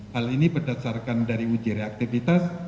hal ini berdasarkan dari uji reaktivitas